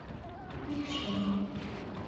وېښ شوم.